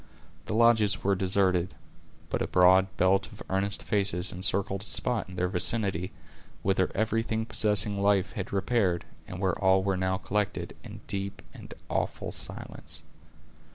The lodges were deserted; but a broad belt of earnest faces encircled a spot in their vicinity, whither everything possessing life had repaired, and where all were now collected, in deep and awful silence.